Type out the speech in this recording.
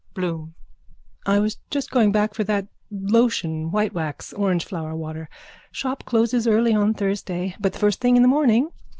BLOOM: I was just going back for that lotion whitewax, orangeflower water. Shop closes early on Thursday. But the first thing in the morning.